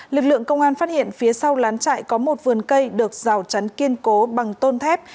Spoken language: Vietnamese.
lực lượng công an phát hiện phía sau lán chạy có một vườn cây được rào chắn kiên cố bằng tôn thép